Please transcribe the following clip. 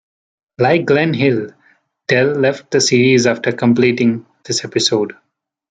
Like Glen Hill, Dell left the series after completing this episode.